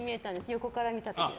横から見た時。